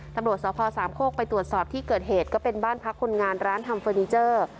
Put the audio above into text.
ตำรวจสพสามโคกไปตรวจสอบที่เกิดเหตุก็เป็นบ้านพักคนงานร้านทำเฟอร์นิเจอร์